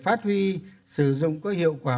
phát huy sử dụng có hiệu quả